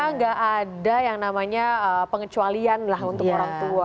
nggak ada yang namanya pengecualian lah untuk orang tua